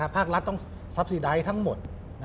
ภาครัฐต้องซับซีดายทั้งหมด